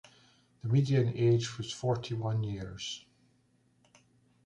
The median age was forty one years.